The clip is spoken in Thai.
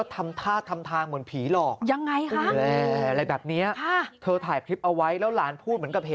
เอาหรอก็เธอเล่ามาว่านี่หลานน้อย๒ขวบอ่ะ